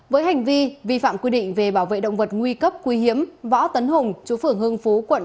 với hành vi vi phạm quy định về bảo vệ động vật nguy cấp quý hiếm võ tấn hùng chú phưởng hưng phú quận